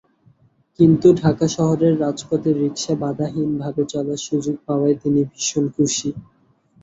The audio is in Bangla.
কিন্তু ঢাকা শহরের রাজপথে রিকশা বাধাহীনভাবে চলার সুযোগ পাওয়ায় তিনি ভীষণ খুশি।